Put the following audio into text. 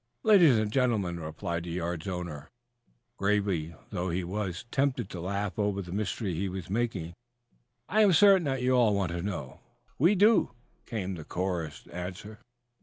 "Ladies and gentlemen," replied the yard's owner, gravely, though he was tempted to laugh over the mystery he was making, "I am certain that you all want to know." "We do," came the chorused answer.